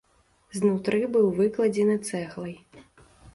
Знутры быў выкладзены цэглай.